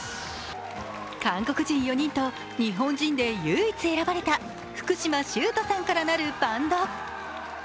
韓国人４人と日本人で唯一選ばれた福嶌崇人さんから成るバンド。